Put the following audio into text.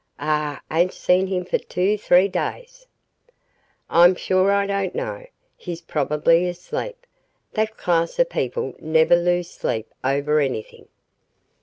Ah ain' seen him fo' two three days." "I'm sure I don't know. He's probably asleep. That class of people never lose sleep over anything."